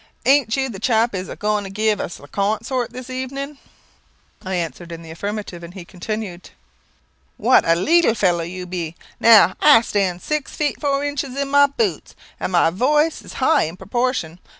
Ain't you the chap as is a goin' to give us the con sort this evening?" I answered in the affirmative, and he continued "What a leetle fellow you be. Now I stand six feet four inches in my boots, and my voice is high in proportion.